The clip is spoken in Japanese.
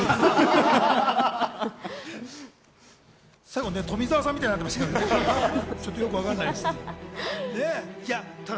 最後、富澤さんみたいになってましたけどね、よくわかんないって。